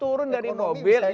turun dari mobil